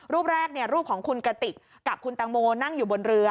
รูปแรกรูปของคุณกติกกับคุณตังโมนั่งอยู่บนเรือ